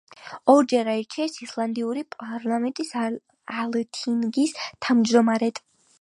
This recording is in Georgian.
ორჯერ აირჩიეს ისლანდიური პარლამენტის, ალთინგის თავმჯდომარედ.